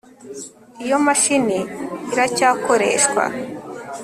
iyo mashini iracyakoreshwa